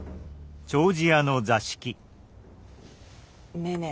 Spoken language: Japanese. ねえねえ。